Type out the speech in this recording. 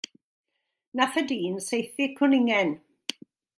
Nath y dyn saethu cwningen.